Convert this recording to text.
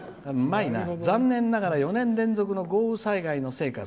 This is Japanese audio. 「残念ながら４年連続の豪雨災害のせいか」。